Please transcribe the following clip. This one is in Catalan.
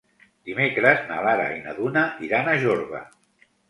Dimecres na Lara i na Duna iran a Jorba.